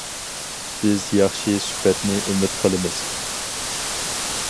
بىز ياخشى سۈپەتنى ئۈمىد قىلىمىز.